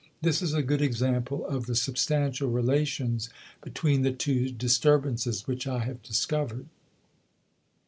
This is a good example of the substantial relations between the two disturbances which I have discovered.